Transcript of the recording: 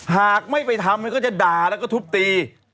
หากไม่ไปทำก็จะด่าแล้วก็ทุบตี